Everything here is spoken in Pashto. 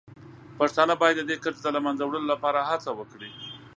پښتانه باید د دې کرښې د له منځه وړلو لپاره هڅه وکړي.